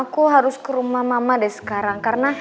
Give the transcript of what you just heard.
bukan cuma balapan